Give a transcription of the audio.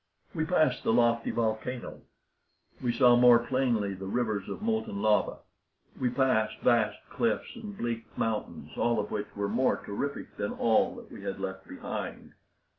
We passed the lofty volcano; we saw more plainly the rivers of molten lava; we passed vast cliffs and bleak mountains, all of which were more terrific than all that we had left behind.